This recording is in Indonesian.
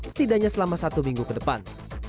setidaknya selama satu minggu ke depan